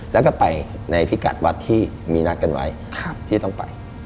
แล้วก็ไปในพิกัดวัดที่มีนัดกันไว้ที่จะต้องไป